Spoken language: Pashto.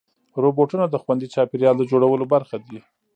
روبوټونه د خوندي چاپېریال د جوړولو برخه دي.